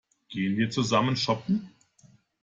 Gehen wir zusammen shoppen?